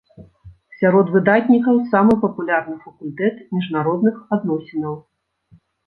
Сярод выдатнікаў самы папулярны факультэт міжнародных адносінаў.